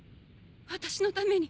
私のために。